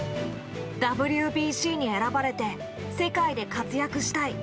ＷＢＣに選ばれて世界で活躍したい。